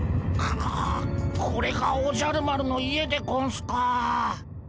これがおじゃる丸の家でゴンスか。